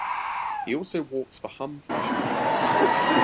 He also walks for Hum Fashion Week.